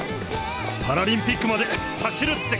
パラリンピックまで走るってことだ！